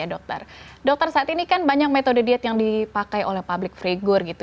dokter saat ini banyak metode diet yang dipakai oleh public figure